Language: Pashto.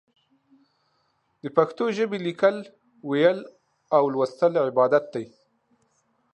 د پښتو ژبې ليکل، ويل او ولوستل عبادت دی.